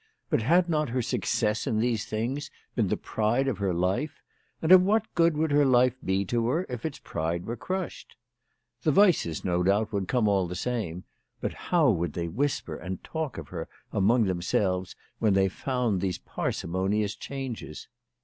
But had not her success in these things been the pride of her life ; and of what good would her life he to her if its pride were crushed ? The Weisses no doubt would come all the same, but how would they whisper and talk of her among them selves when they found these parsimonious changes